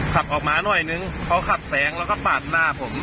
ขับออกมาหน่อยนึงเขาขับแสงแล้วก็ปาดหน้าผม